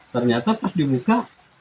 ternyata ketika dibuka